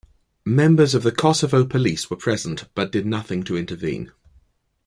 Members of the Kosovo Police were present but did nothing to intervene.